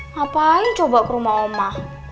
ngapain coba ke rumah oma